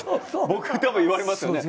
僕多分言われますよね。